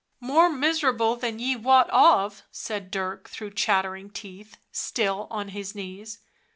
" More miserable than ye wot of," said Dirk, through chattering teeth, still on his knees.